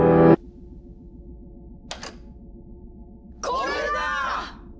これだ！